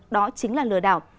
đó chính là lừa đảo